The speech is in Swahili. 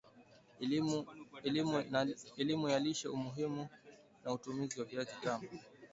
Elimu ya Lishe Umuhimu na Matumizi ya Viazi Vitamu